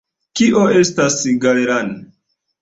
Kio estas Galeran?